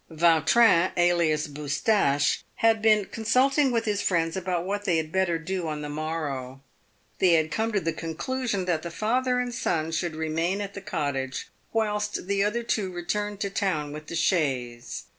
Vautrin, alias Boustache, had been consulting with his friends about what they had better do on the morrow. They had come to the conclusion that the father and son should remain at the cottage, whilst the other two returned to town with the chaise.